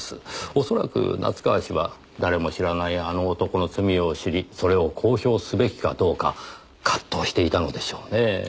おそらく夏河氏は誰も知らない「あの男」の罪を知りそれを公表すべきかどうか葛藤していたのでしょうねぇ。